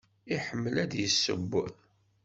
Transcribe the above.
Iḥemmel ad yesseww?